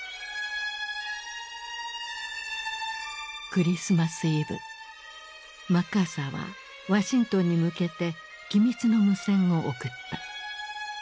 クリスマスイブマッカーサーはワシントンに向けて機密の無線を送った。